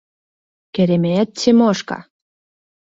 Керемет Тимошка!